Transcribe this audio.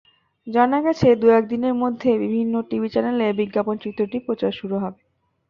জানা গেছে, দু-এক দিনের মধ্যেই বিভিন্ন টিভি চ্যানেলে বিজ্ঞাপনচিত্রটির প্রচার শুরু হবে।